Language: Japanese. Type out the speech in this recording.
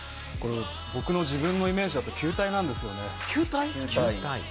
僕の自分のイメージだと、球体なんです。